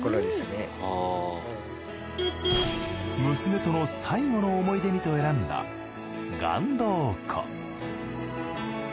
娘との最期の思い出にと選んだ岩洞湖。